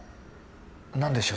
何でしょう？